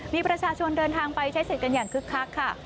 มีประชาชนเดินทางไปใช้สิทธิ์กันอย่างคึกคักค่ะ